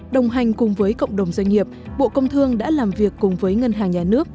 đồng hành cùng với cộng đồng doanh nghiệp bộ công thương đã làm việc cùng với ngân hàng nhà nước